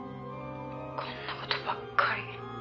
「こんな事ばっかり」